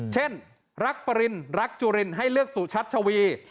เช่นรักปรินรักจุลินให้เลือกสุชัชวี